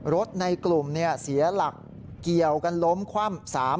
ในกลุ่มเสียหลักเกี่ยวกันล้มคว่ำ